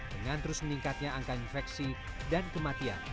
dengan terus meningkatnya angka infeksi dan kematian